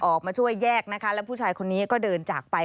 ออกมาช่วยแยกนะคะแล้วผู้ชายคนนี้ก็เดินจากไป